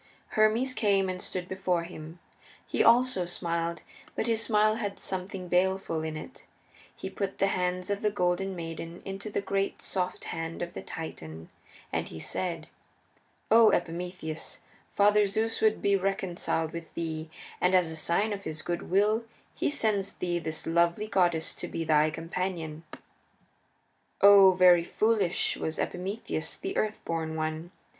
Hermes came and stood before him. He also smiled, but his smile had something baleful in it. He put the hands of the Golden Maid into the great soft hand of the Titan, and he said, "O Epimetheus, Father Zeus would be reconciled with thee, and as a sign of his good will he sends thee this lovely goddess to be thy companion." Oh, very foolish was Epimetheus the Earth born One!